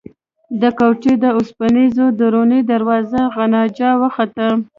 د کوټې د اوسپنيزې درنې دروازې غنجا وخته.